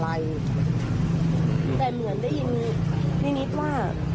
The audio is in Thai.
แต่เหมือนได้ยินนิดว่า